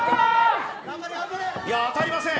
当たりません。